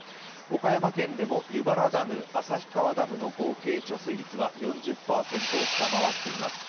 岡山県でも湯原ダム、旭川ダムの合計貯水量は４０％を下回っています。